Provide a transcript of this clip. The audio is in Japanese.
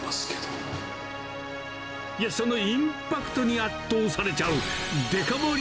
いや、そのインパクトに圧倒されちゃう、デカ盛り